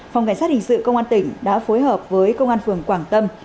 phòng cảnh sát hình sự công an tỉnh đã phối hợp với công an phường quảng tâm